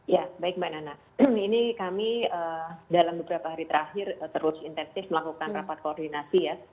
ya baik mbak nana ini kami dalam beberapa hari terakhir terus intensif melakukan rapat koordinasi ya